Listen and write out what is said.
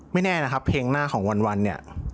แน่นะครับเพลงหน้าของวันเนี่ย